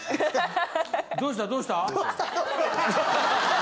どうしたどうした？